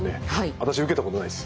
私受けたことないです。